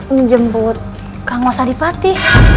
menjemput kang mas adipati